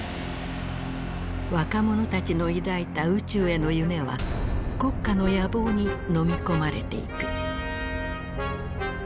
若者たちの抱いた宇宙への夢は国家の野望にのみ込まれていく。